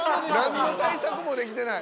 何の対策もできてない。